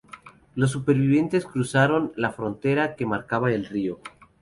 Los supervivientes cruzaron la frontera, que marcaba el río.